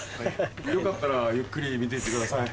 よかったらゆっくり見て行ってください。